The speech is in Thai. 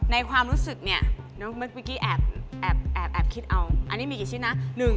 ความรู้สึกเนี่ยเมื่อกี้แอบคิดเอาอันนี้มีกี่ชิ้นนะ